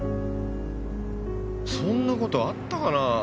そんなことあったかなあ。